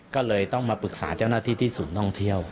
ก็เลยต้องมาปรึกษาเจ้าหน้าที่ที่ศูนย์ท่องเที่ยว